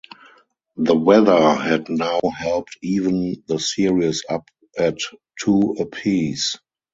The weather had now helped even the series up at two apiece.